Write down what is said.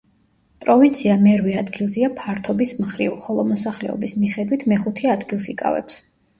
პროვინცია მერვე ადგილზეა ფართობის მხრივ, ხოლო მოსახლეობის მიხედვით მეხუთე ადგილს იკავებს.